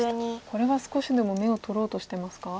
これは少しでも眼を取ろうとしてますか？